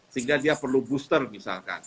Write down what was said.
sehingga dia perlu booster misalkan